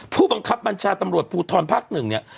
ผู้บังกับบัญชาตำรวจภูทอลภักดิ์๑